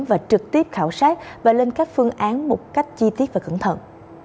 và trực tiếp khảo sát và lên các phương án một cách chi tiết và cẩn thận